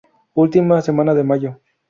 Última semana de mayo.